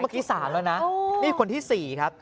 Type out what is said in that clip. เมื่อกี้๓แล้วนะนี่คนที่๔ครับ